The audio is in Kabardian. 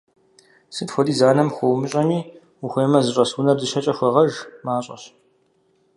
Сыт хуэдиз анэм хуумыщӀэми, ухуеймэ зыщӀэс унэр дыщэкӀэ хуэгъэж – мащӀэщ.